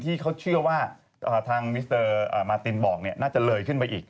ถ้าคือตอนเนี้ย